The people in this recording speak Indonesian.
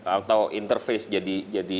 atau interface jadi